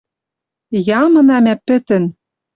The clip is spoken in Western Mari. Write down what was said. Ямына мӓ пӹтӹн!..»